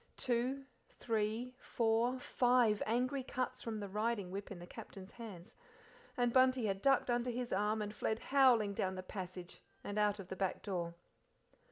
Two, three, four, five angry cuts from the riding whip in the Captain's hands, and Bunty had ducked under his arm and fled howling down the passage and out of the back door.